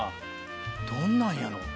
どんなんやろ？